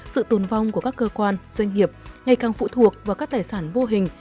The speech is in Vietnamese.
sự tồn vong của các cơ quan doanh nghiệp ngày càng phụ thuộc vào các tài sản vô hình